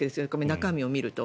中身を見ると。